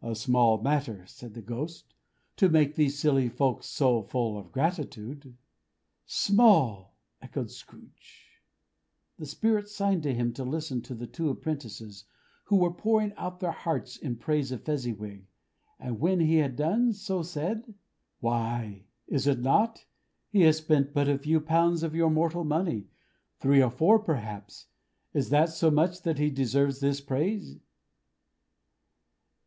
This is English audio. "A small matter," said the Ghost, "to make these silly folks so full of gratitude." "Small!" echoed Scrooge. The spirit signed to him to listen to the two apprentices, who were pouring out their hearts in praise of Fezziwig; and when he had done so said, "Why! Is it not? He has spent but a few pounds of your mortal money: three or four, perhaps. Is that so much that he deserves this praise?"